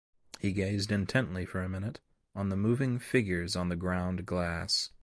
He gazed intently for a minute on the moving figures on the ground glass.